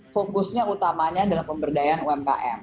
fokusnya utamanya adalah pemberdayaan umkm